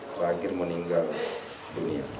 terakhir meninggal dunia